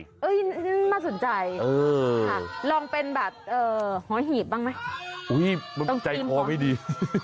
นี่มาสนใจลองเป็นแบบหอหีบบ้างไหมต้องทีมของหอหีบมันใจคอไม่ดี